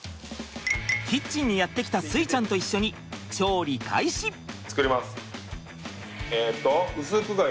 キッチンにやって来た穂ちゃんと一緒に作ります。